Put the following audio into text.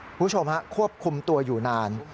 คุณผู้ชมฮะควบคุมตัวอยู่นาน